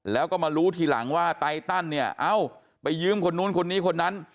แล้วก็มารู้ทีหลังว่าไตตันเนี่ยเอ้าไปยืมคนนู้นคนนี้คนนั้น